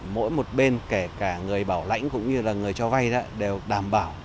mỗi một bên kể cả người bảo lãnh cũng như là người cho vay đều đảm bảo